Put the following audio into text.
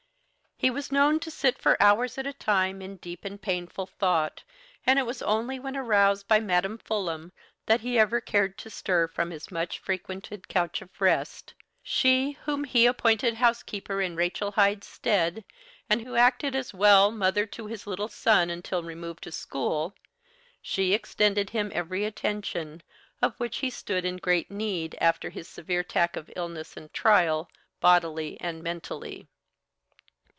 He was known to sit for hours at a time in deep and painful thought, and it was only when aroused by Madam Fulham that he ever cared to stir from his much frequented couch of rest; she whom he appointed housekeeper in Rachel Hyde's stead, and who acted as well mother to his little son until removed to school she extended him every attention, of which he stood in great need, after his severe attack of illness and trial, bodily and mentally.